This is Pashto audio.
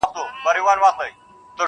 o دا کمال ستا د جمال دی,